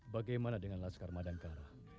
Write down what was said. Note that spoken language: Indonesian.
bagaimana dengan laskar madangkara